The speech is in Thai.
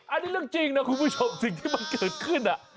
อันนี้เรื่องจริงนะคุณผู้ชมสิ่งที่มันเกิดขึ้น